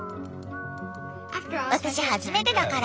私初めてだから。